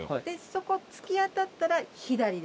そこ突き当たったら左です。